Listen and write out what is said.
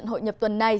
những người trẻ việt nam